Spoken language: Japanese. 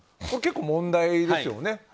これ結構、問題ですよね。